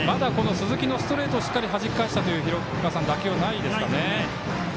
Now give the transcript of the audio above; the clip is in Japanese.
鈴木のストレートをしっかりとはじき返した打球はないですね。